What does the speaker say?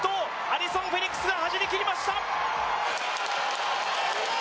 アリソン・フェリックスが走りきりました。